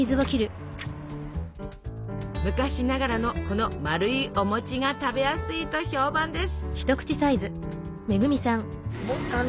昔ながらのこのまるいお餅が食べやすいと評判です。